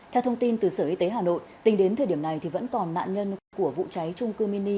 theo thông tin từ sở y tế hà nội tính đến thời điểm này vẫn còn nạn nhân của vụ cháy trung cư mini